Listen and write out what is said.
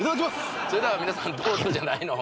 「それでは皆さんどうぞ」じゃないの？